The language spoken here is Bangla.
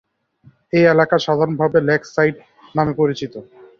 এই এলাকা সাধারণভাবে লেক-সাইড নামে পরিচিত।